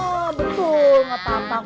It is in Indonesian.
oh betul nggak apa apa kak